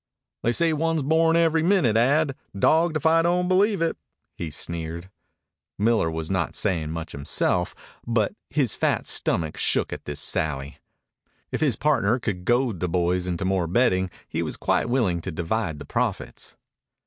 "They say one's born every minute, Ad. Dawged if I don't believe it," he sneered. Miller was not saying much himself, but his fat stomach shook at this sally. If his partner could goad the boys into more betting he was quite willing to divide the profits.